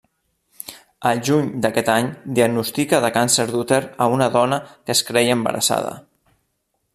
Al juny d'aquest any diagnostica de càncer d'úter a una dona que es creia embarassada.